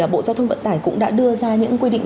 bộ giao thông vận tải cũng đã đưa ra những quy định